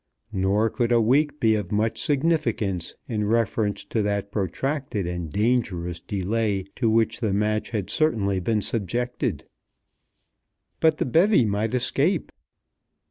Nor could a week be of much significance in reference to that protracted and dangerous delay to which the match had certainly been subjected. But the bevy might escape.